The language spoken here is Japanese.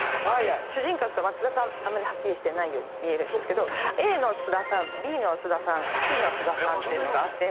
主人格が津田さんはっきりしてないように見えるけどＡの津田さんＢの津田さんＣの津田さんっていうのがあって。